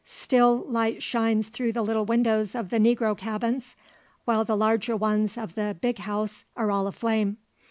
Still light shines through the little windows of the negro cabins, while the larger ones of the "big house" are all aflame.